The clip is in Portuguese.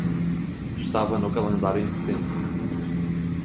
Estava no calendário em setembro.